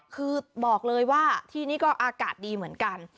คือบอกเลยว่าที่นี่ก็อากาศดีเหมือนกัน